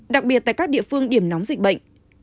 đặc biệt tại các địa phương điểm nóng dịch bệnh